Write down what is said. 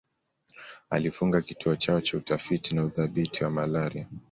Alifunga Kituo chao cha Utafiti na Udhibiti wa malaria